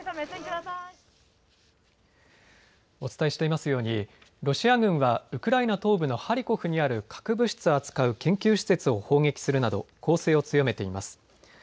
お伝えしていますようにロシア軍はウクライナ東部のハリコフにある核物質を扱う研究施設を砲撃するなど攻勢を強めています。